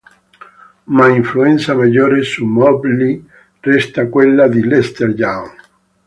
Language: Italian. Ma l'influenza maggiore su Mobley resta quella di Lester Young.